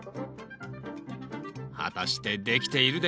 果たしてできているでしょうか？